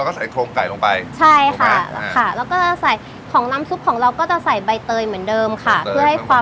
วิ่งดูน้ำซุปกันดีกว่า